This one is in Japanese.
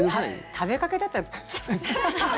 食べかけだったら食っちゃえばいいじゃん。